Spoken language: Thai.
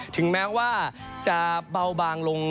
ถึงแม้ว่าจะเบาบางลง